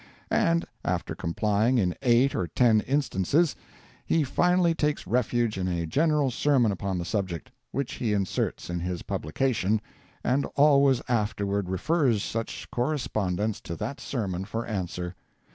And after complying in eight or ten instances, he finally takes refuge in a general sermon upon the subject, which he inserts in his publication, and always afterward refers such correspondents to that sermon for answer.